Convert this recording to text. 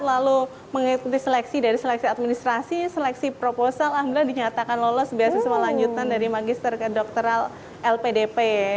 lalu mengikuti seleksi dari seleksi administrasi seleksi proposal alhamdulillah dinyatakan lolos beasiswa lanjutan dari magister ke dokteral lpdp